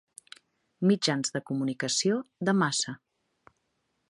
Mitjans de comunicació de massa.